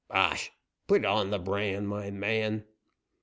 "Bosh! Put on the brand, my man."